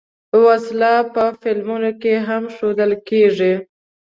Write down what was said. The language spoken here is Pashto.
وسله په فلمونو کې هم ښودل کېږي